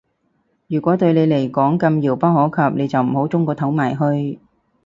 如果對你嚟講咁遙不可及，你就唔好舂個頭埋去